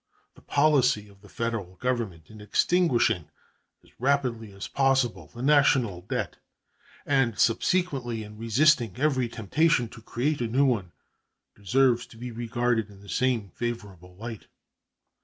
The policy of the Federal Government in extinguishing as rapidly as possible the national debt, and subsequently in resisting every temptation to create a new one, deserves to be regarded in the same favorable light.